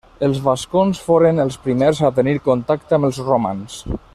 Els vascons foren els primers a tenir contacte amb els romans.